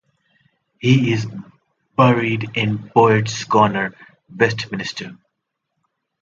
He is buried in Poets' Corner, Westminster.